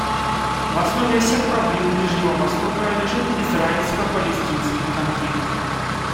В основе всех проблем Ближнего Востока лежит израильско-палестинский конфликт.